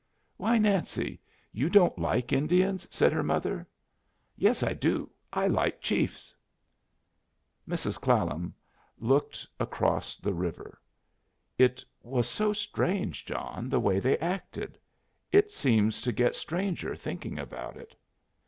"Why, Nancy, you don't like Indians?" said her mother. "Yes, I do. I like chiefs." Mrs. Clallam looked across the river. "It was so strange, John, the way they acted. It seems to get stranger, thinking about it."